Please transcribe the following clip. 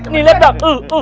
nih lihat bang